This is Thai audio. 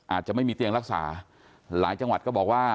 อาจจะไม่มีเตียงรักษาหลายจังหวัดก็บอกว่า